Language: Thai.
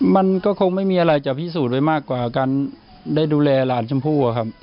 มันก็คงไม่มีอะไรจะพิสูจน์ไว้มากกว่าการได้ดูแลหลานชมพู่อะครับ